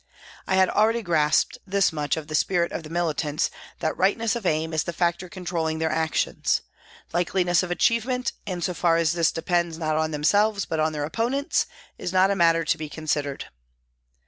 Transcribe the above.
I had already grasped this much of the spirit of the militants that Tightness of aim is the factor controlling their actions ; likeliness of achievement, in so far as this depends not on them selves but on their opponents, is not a matter to be considered.